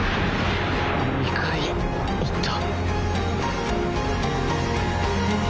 ２回言った！